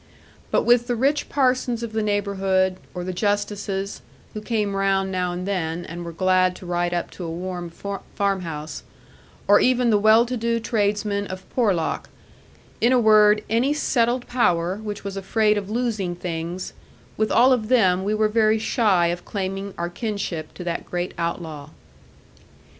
But with the rich parsons of the neighbourhood, or the justices (who came round now and then, and were glad to ride up to a warm farm house), or even the well to do tradesmen of Porlock in a word, any settled power, which was afraid of losing things with all of them we were very shy of claiming our kinship to that great outlaw.